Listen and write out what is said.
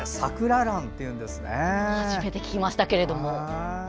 初めて聞きましたけれども。